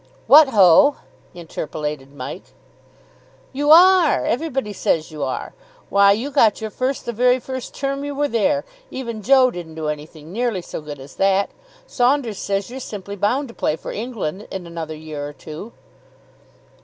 "What ho!" interpolated Mike. "You are. Everybody says you are. Why, you got your first the very first term you were there even Joe didn't do anything nearly so good as that. Saunders says you're simply bound to play for England in another year or two."